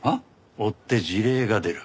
追って辞令が出る。